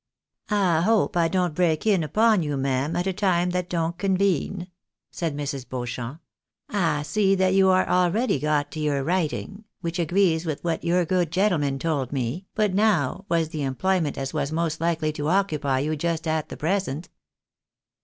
" I hope I don't break in upon you, ma'am, at a time that don't convene ?" said Mrs. Beauchamp. " I see that you are already got to your writing, which agrees with what your good gentleman told me, but now, was the employment as was most likely to occupy you just at the present."